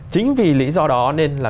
chính vì lý do đó nên là